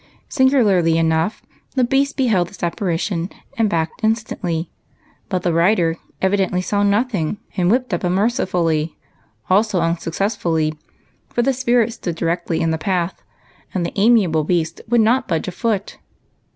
Singularly enough, the beast beheld this ap parition and backed instantly, but the rider evidently saw nothing and whi])ped up unmercifully, also un successfully, for the spirit stood directly m the path, and the amiable beast would not budge a foot.